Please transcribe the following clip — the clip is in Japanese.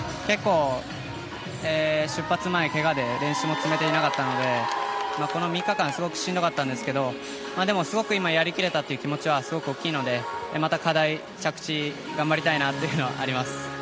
出発前、けがで練習も積めていなかったのでこの３日間すごくしんどかったんですけどでも、すごく今はやり切れたという気持ちが大きいのでまた課題、着地を頑張りたいなと思います。